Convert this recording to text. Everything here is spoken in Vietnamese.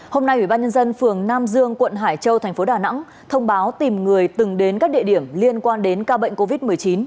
hôm nay ủy ban nhân dân phường nam dương quận hải châu thành phố đà nẵng thông báo tìm người từng đến các địa điểm liên quan đến ca bệnh covid một mươi chín